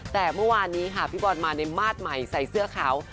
แต่เมื่อวานนี้ค่ะพี่บอลมาในมาตรใหม่ใส่เสื้อขาว